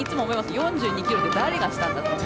４２キロって誰がしたんだと。